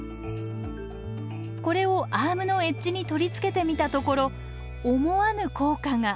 これをアームのエッジに取り付けてみたところ思わぬ効果が！